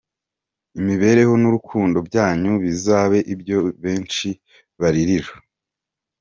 Imibereho n’urukundo byanyu bizabe ibyo benshi baririra.